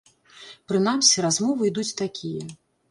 Прынамсі, размовы ідуць такія.